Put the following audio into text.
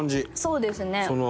そうですね。